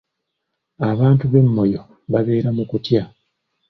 Abantu b'e Moyo babeera mu kutya.